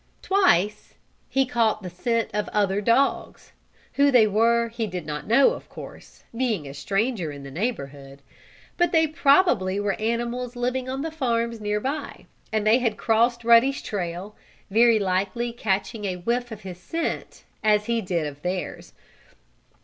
Twice he caught the scent of other dogs. Who they were he did not know, of course, being a stranger in the neighborhood. But they probably were animals living on the farms nearby; and they had crossed Ruddy's trail, very likely catching a whiff of his scent as he did of theirs.